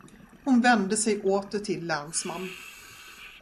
Hon vände sig åter till länsman.